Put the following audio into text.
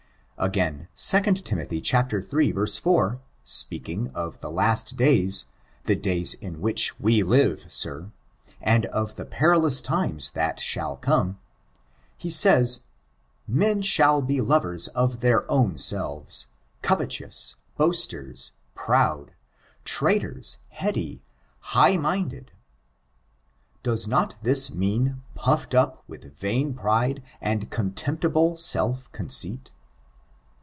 Again, 2 Tim. iii. 4; speaking of the last days— the days in which we live. Sir, and of the perilous times that shall come, he says, "Men shall be lovers of their own selves, covetous, boasters, proud •• traitors, heady, ligh fninded, tetuphomenoi, Does not this mean, puffed up with vain pride and contemptible self conceit?